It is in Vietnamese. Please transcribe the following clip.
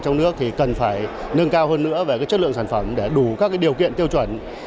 trong nước thì cần phải nâng cao hơn nữa về chất lượng sản phẩm để đủ các điều kiện tiêu chuẩn